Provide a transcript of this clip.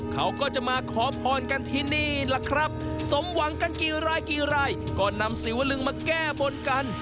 เขาก็จะมาขอพรกันที่นี่แหละครับสมหวังกันกี่รายกี่รายก็นำสีวลึงมาแก้บนกัน